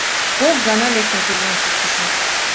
Кок гана лектын куржын шуктышым.